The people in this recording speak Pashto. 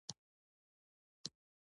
صداقت د کار اعتبار دی